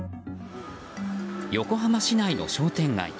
横浜市内の商店街。